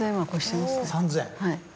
はい。